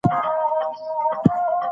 اداري نظام د خلکو د خدمت وسیله ده.